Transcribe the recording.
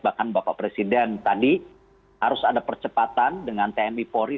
bahkan bapak presiden tadi harus ada percepatan dengan tni polri